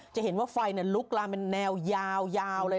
จะเห็นว่าไฟลุกลามเป็นแนวยาวเลย